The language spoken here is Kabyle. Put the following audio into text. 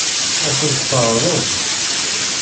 Ad sen-t-tɛeṛḍem?